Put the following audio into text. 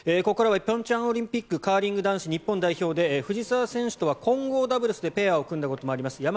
ここからは平昌オリンピックカーリング男子日本代表で藤澤選手とは混合ダブルスでペアを組んだこともあります